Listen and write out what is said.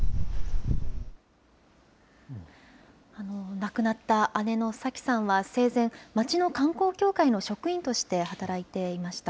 亡くなった姉の早希さんは生前、町の観光協会の職員として働いていました。